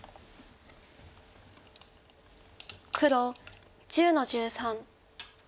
黒１０の十三。